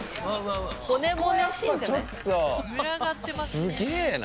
すげえな。